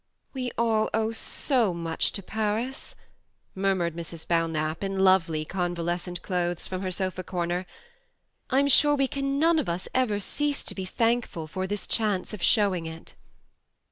" We all owe so much to Paris," murmured Mrs. Belknap, in lovely con valescent clothes, from her sofa corner. " I'm sure we can none of us ever cease to be thankful for this chance of show ing it.